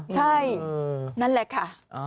ใช่นั่นแหละค่ะ